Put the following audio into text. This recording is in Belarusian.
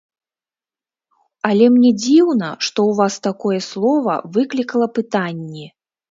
Але мне дзіўна, што ў Вас такое слова выклікала пытанні.